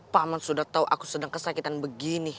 pak man sudah tahu aku sedang kesakitan begini